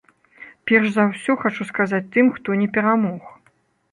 Перш за ўсё хачу сказаць тым, хто не перамог.